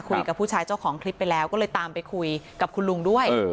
คุยกับผู้ชายเจ้าของคลิปไปแล้วก็เลยตามไปคุยกับคุณลุงด้วย